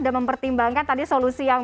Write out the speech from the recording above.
dan mempertimbangkan tadi solusi yang